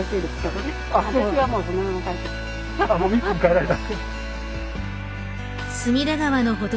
あっもう見ずに帰られた？